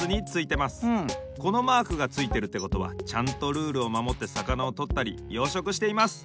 このマークがついてるってことはちゃんとルールをまもってさかなをとったり養殖しています。